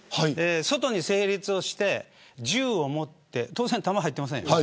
外に整列をして銃を持って当然、弾は入っていません。